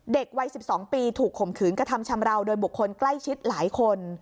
วัย๑๒ปีถูกข่มขืนกระทำชำราวโดยบุคคลใกล้ชิดหลายคน